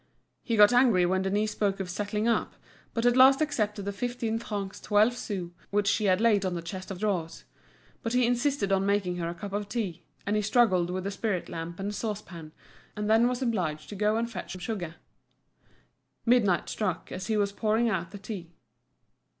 He got angry when Denise spoke of settling up, but at last accepted the fifteen francs twelve sous which she had laid on the chest of drawers; but he insisted on making her a cup of tea, and he struggled with a spirit lamp and saucepan, and then was obliged to go and fetch some sugar. Midnight struck as he was pouring out the tea.